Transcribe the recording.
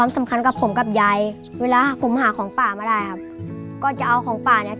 สำคัญกับผมกับยายเวลาผมหาของป่ามาได้ครับก็จะเอาของป่าเนี้ย